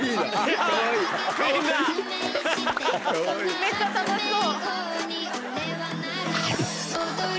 めっちゃ楽しそう。